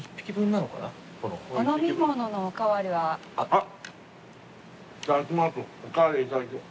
あっ。